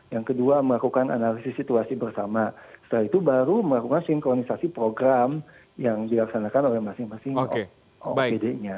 yang kedua melakukan analisis situasi bersama setelah itu baru melakukan sinkronisasi program yang dilaksanakan oleh masing masing opd nya